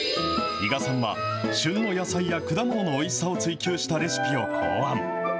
伊賀さんは、旬の野菜や果物のおいしさを追求したレシピを考案。